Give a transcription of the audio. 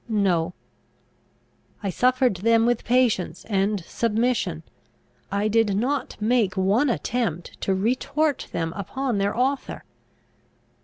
No: I suffered them with patience and submission; I did not make one attempt to retort them upon their author.